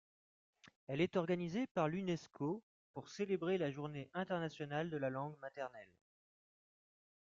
Elle est organisée par l’UNESCO pour célébrer la journée internationale de la langue maternelle.